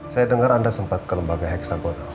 saya dengar anda sempat ke lembaga hexagonal